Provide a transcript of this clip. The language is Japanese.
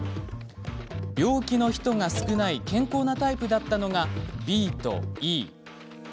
病気の人が少ない健康なタイプだったのがＢとＥ。